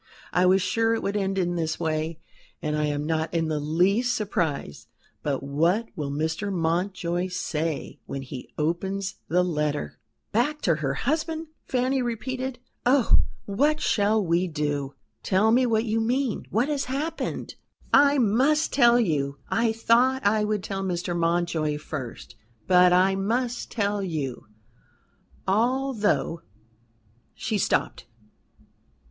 I was sure it would end in this way, and I am not in the least surprised. But what will Mr. Mountjoy say when he opens the letter?" "Back to her husband!" Fanny repeated. "Oh! what shall we do?" "Tell me what you mean. What has happened?" "I must tell you. I thought I would tell Mr. Mountjoy first: but I must tell you, although " She stopped.